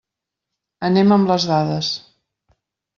Anem amb les dades.